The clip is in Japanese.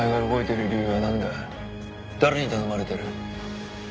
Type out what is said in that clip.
誰に頼まれてる？